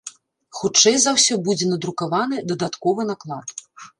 Хутчэй за ўсё, будзе надрукаваны дадатковы наклад.